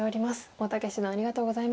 大竹七段ありがとうございました。